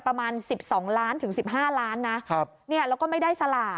ประมาณ๑๒ล้านถึง๑๕ล้านนะแล้วก็ไม่ได้สลาก